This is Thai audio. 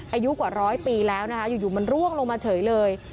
อายุกว่าร้อยปีแล้วนะคะอยู่มันร่วงลงมาเฉยเลย